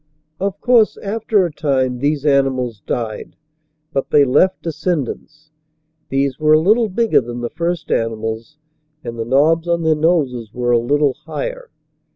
Of course, after a time, these animals died. But they left descendants. These were a little bigger than the first animals and the knobs on their noses were a little higher.